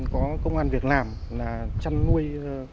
có công an việc làm là chăn nuôi